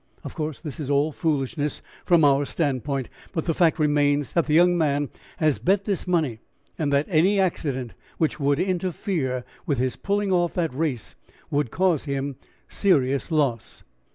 Of course, this is all foolishness from our standpoint, but the fact remains that the young man has bet this money, and that any accident which would interfere with his pulling off that race would cause him serious loss.